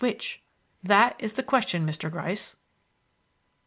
Which? That's the question, Mr. Gryce."